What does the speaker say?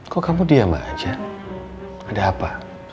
kok kamu diam aja ada apa